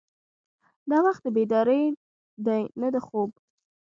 دا وخت د بیدارۍ دی نه د خوب.